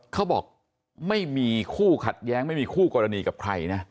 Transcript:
เขาบอกไม่มีคู่ขัดแย้งไม่มีคู่กรณีกับใครนะ